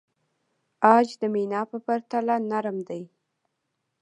عاج د مینا په پرتله نرم دی.